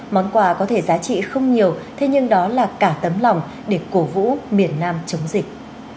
món quà có thể giá trị không nhiều thế nhưng đó là cả tấm lòng để cổ vũ miền nam chống dịch